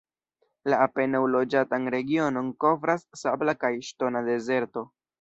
La apenaŭ loĝatan regionon kovras sabla kaj ŝtona dezerto.